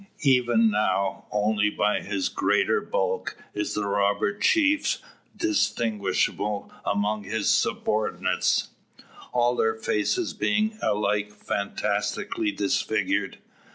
Even now only by his greater bulk is the robber chief distinguishable among his subordinates, all their faces being alike fantastically disfigured.